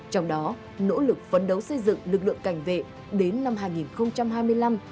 trong đó nỗ lực phấn đấu xây dựng lực lượng cảnh vệ đến năm hai nghìn hai mươi năm